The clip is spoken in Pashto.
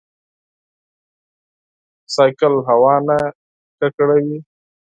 بایسکل هوا نه ککړوي.